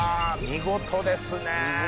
見事ですね！